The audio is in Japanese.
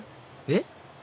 えっ？